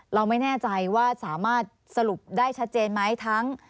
เราไม่แน่ใจว่าสามารถสรุปได้ชัดเจนไหมทั้ง